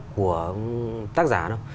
của tác giả đâu